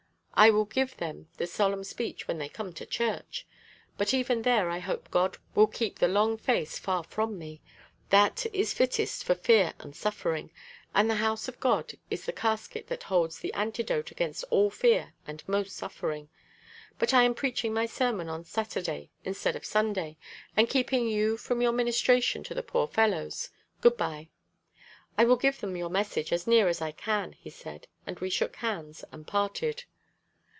I will give them the solemn speech when they come to church. But even there I hope God will keep the long face far from me. That is fittest for fear and suffering. And the house of God is the casket that holds the antidote against all fear and most suffering. But I am preaching my sermon on Saturday instead of Sunday, and keeping you from your ministration to the poor fellows. Good bye." "I will give them your message as near as I can," he said, and we shook hands and parted.